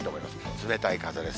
冷たい風です。